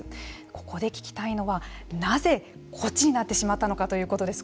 ここで聞きたいのはなぜこっちになってしまったのかということです。